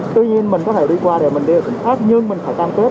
tuy nhiên mình có thể đi qua để mình đi ở tỉnh khác nhưng mình phải cam kết